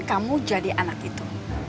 kamu jadi anak itu